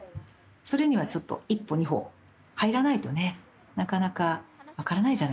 それにはちょっと１歩２歩入らないとねなかなか分からないじゃないですか。